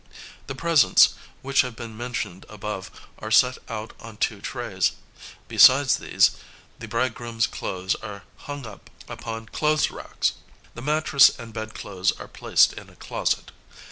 The presents, which have been mentioned above, are set out on two trays. Besides these, the bridegroom's clothes are hung up upon clothes racks. The mattress and bedclothes are placed in a closet.